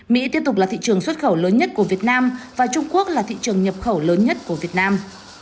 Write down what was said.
mỹ tiếp tục là thị trường xuất khẩu lớn nhất của việt nam và trung quốc là thị trường nhập khẩu lớn nhất của việt nam